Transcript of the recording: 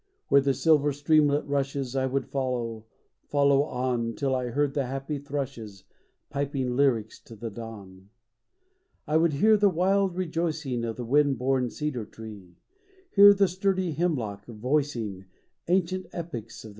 Where the silver streamlet rushes I would follow — follow on Till I heard the happy thrushes Piping lyrics to the dawn. I would hear the wnld rejoicing Of the wind blown cedar tree, Hear the sturdy hemlock voicing Ancient epics of the sea.